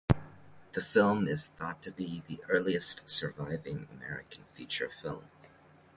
The film is thought to be the earliest surviving American feature film.